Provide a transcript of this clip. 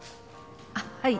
あっはい。